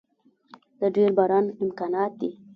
د ډیر باران امکانات دی